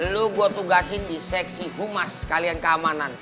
lu gue tugasin di seksi humas kalian keamanan